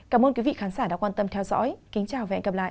cảm ơn quý vị khán giả đã quan tâm theo dõi kính chào và hẹn gặp lại